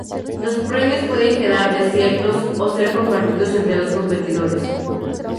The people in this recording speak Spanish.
Los premios pueden quedar desiertos, o ser compartidos entre dos competidores.